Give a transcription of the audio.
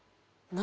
何？